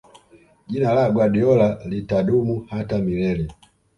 jina la guardiola litadumu hata milele